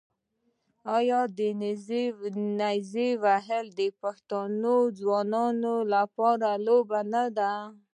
آیا نیزه وهل د پښتنو ځوانانو لوبه نه ده؟